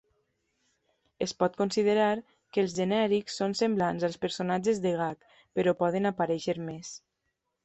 Es pot considerar que els genèrics són semblants als personatges de gag, però poden aparèixer més.